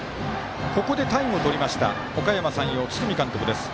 ここでタイムをとりましたおかやま山陽、堤監督。